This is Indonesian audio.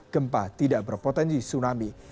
gempa tidak berpotensi tsunami